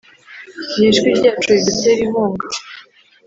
ni ijwi ryacu ridutera inkunga